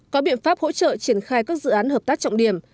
có biện pháp hỗ trợ triển khai các dự án hợp tác trọng điểm